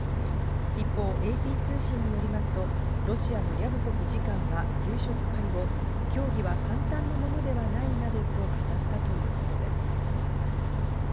一方、ＡＰ通信によりますとロシアのリャブコフ次官は夕食会後、協議は簡単なものではないなどと語ったということです。